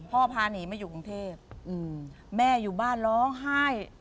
พาหนีมาอยู่กรุงเทพแม่อยู่บ้านร้องไห้